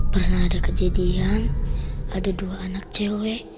pernah ada kejadian ada dua anak cewek